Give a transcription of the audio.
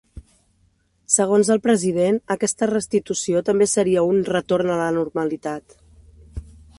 Segons el president, aquesta restitució també seria una ‘retorn a la normalitat’.